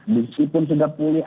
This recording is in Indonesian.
busi pun sudah pulih